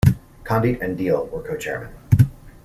Condit and Deal were co-chairmen.